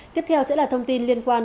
tiếp theo sẽ là thông tin liên quan